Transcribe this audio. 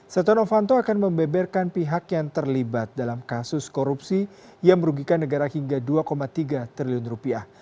setia novanto akan membeberkan pihak yang terlibat dalam kasus korupsi yang merugikan negara hingga dua tiga triliun rupiah